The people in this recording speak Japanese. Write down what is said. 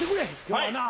はい。